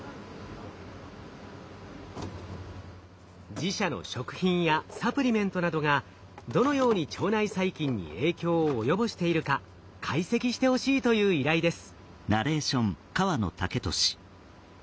自社の食品やサプリメントなどがどのように腸内細菌に影響を及ぼしているか解析してほしいという依頼です。